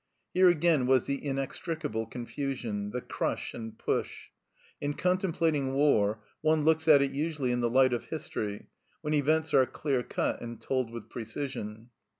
Here again was the inextricable confusion, the crush and push. In contemplating war one looks at it usually in the light of history, when events are clear cut and told with precision.